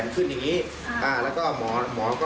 คือทำท่ายังไงครับ